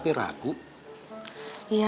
iya gan ya